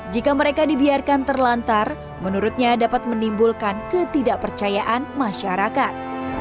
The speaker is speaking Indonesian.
jika mereka dibiarkan terlantar menurutnya dapat menimbulkan ketidakpercayaan masyarakat